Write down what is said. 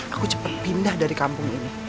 aku cepat pindah dari kampung ini